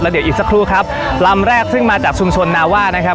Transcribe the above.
เดี๋ยวอีกสักครู่ครับลำแรกซึ่งมาจากชุมชนนาว่านะครับ